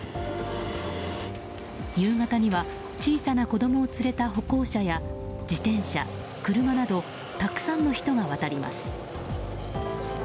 夕方には小さな子供を連れた歩行者や自転車、車などたくさんの人が渡ります。